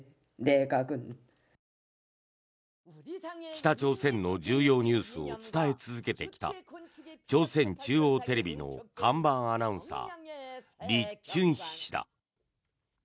北朝鮮の重要ニュースを伝え続けてきた朝鮮中央テレビの看板アナウンサーリ・チュンヒ氏だ。